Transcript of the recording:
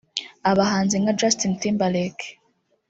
abahanzi nka Justin Timberlake